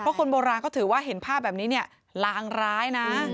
เพราะคนโบราณก็ถือว่าเห็นภาพแบบนี้เนี่ยลางร้ายนะ